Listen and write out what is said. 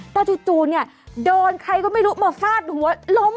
แต่จู่เนี่ยโดนใครก็ไม่รู้มาฟาดหัวล้ม